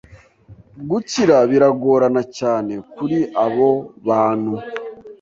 gukira biragorana cyane kuri abo bantu